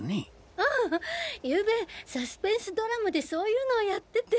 ああゆうべサスペンスドラマでそういうのをやってて。